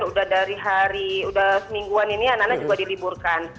udah dari hari udah semingguan ini anak anak juga diliburkan